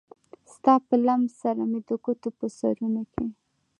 ستا په لمس سره مې د ګوتو په سرونو کې